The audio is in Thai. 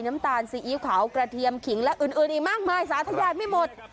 น้ำตาลซีอิ๊วขาวกระเทียมขิงและอื่นอีกมากมายสาธยาไม่หมด